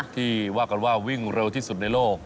ที่ว่ากันว่าวิ่งเร็วที่สุดในโลก